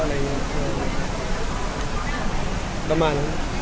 ประมาณนั้น